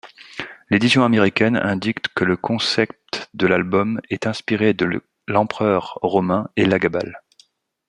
L'édition américaine indique que le concept de l'album est inspiré de l'empereur romain Élagabal.